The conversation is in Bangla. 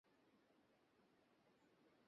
আরো ওর পক্ষ নাও তোমরা।